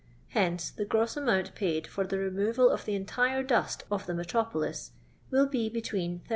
Hence, the gross amount paid for the removal of the entire dust of tlie metropolis will be between 80,000